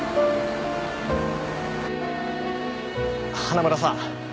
花村さん